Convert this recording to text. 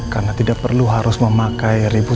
karena tidak perlu harus memakai